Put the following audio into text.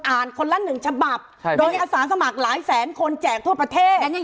อ่านคนละหนึ่งฉบับโดยอสารสมัครหลายแสนคนแจกทั่วประเทศ